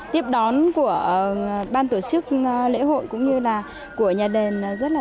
tiếp đón của ban tổ chức lễ hội cũng như là của nhà đền